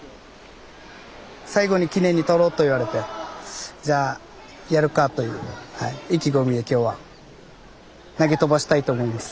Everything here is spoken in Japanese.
「最後に記念に取ろう」と言われてじゃあやるかという意気込みで今日は投げ飛ばしたいと思います。